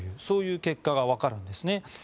そういう結果が分かるんです。